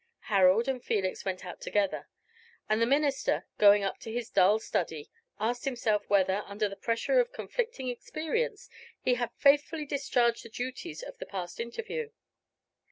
Harold and Felix went out together; and the minister, going up to his dull study, asked himself whether, under the pressure of conflicting experience, he had faithfully discharged the duties of the past interview?